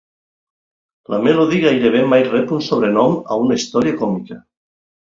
La Melody gairebé mai rep un sobrenom a una història còmica.